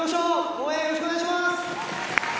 応援よろしくお願いします！